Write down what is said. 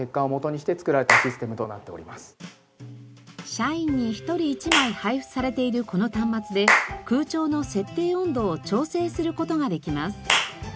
社員に１人１枚配布されているこの端末で空調の設定温度を調整する事ができます。